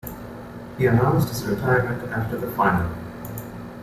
He announced his retirement after the final.